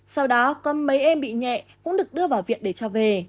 sau đó có mấy em bị nhẹ cũng được đưa vào viện để cho về